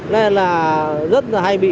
nên là rất là hay bị